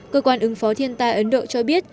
cơ quan ứng phó thiên tai ấn độ cho biết